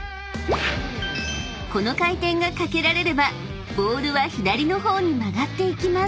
［この回転がかけられればボールは左の方に曲がっていきます］